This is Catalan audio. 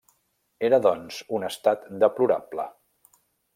Era, doncs, un estat deplorable